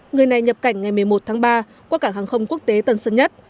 người này nhập cảnh ngày một mươi một tháng ba qua cảng hàng không quốc tế tân sơn nhất